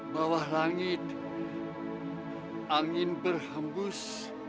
bawah langit angin berhembus